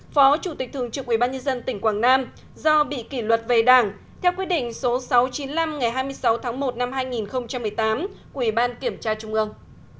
phó chủ tịch thường trực ubnd tỉnh quảng nam do bị kỷ luật về đảng theo quyết định số sáu trăm chín mươi năm ngày hai mươi sáu tháng một năm hai nghìn một mươi tám của ủy ban kiểm tra trung ương